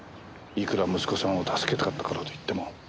いくら息子さんを助けたかったからといっても。